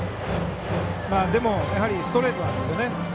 でもストレートなんですよね。